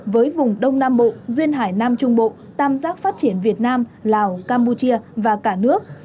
với vùng đông nam bộ duyên hải nam trung bộ tam giác phát triển việt nam lào campuchia và cả nước